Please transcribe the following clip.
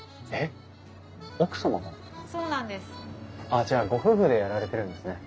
あっじゃあご夫婦でやられてるんですね。